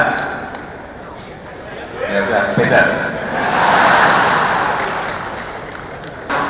sekarang apa pantah silap bontani